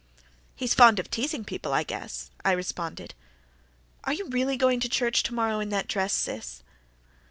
"He's fond of teasing people, I guess," I responded. "Are you really going to church to morrow in that dress, Sis?"